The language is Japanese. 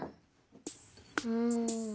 うん。